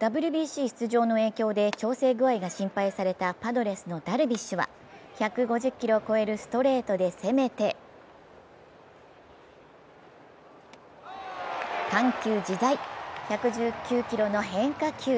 ＷＢＣ出場の影響で調整具合が心配されたパドレスのダルビッシュは１５０キロを超えるストレートで攻めて緩急自在、１１９キロの変化球。